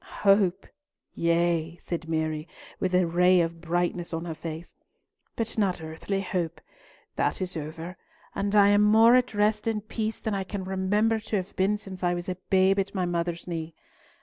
"Hope! yea," said Mary, with a ray of brightness on her face, "but not earthly hope. That is over, and I am more at rest and peace than I can remember to have been since I was a babe at my mother's knee.